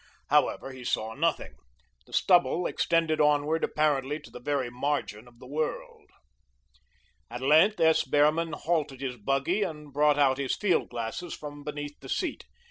However, he saw nothing. The stubble extended onward apparently to the very margin of the world. At length, S. Behrman halted his buggy and brought out his field glasses from beneath the seat.